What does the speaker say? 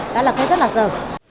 đó là cái rất là dở